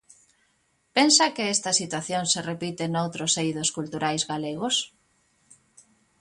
Pensa que esta situación se repite noutros eidos culturais galegos?